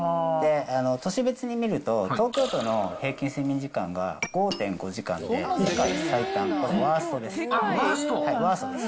都市別に見ると、東京都の平均睡眠時間が５．５時間で世界最短、ワーストです。